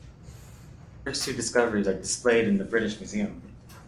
The first two discovered are displayed in the British Museum.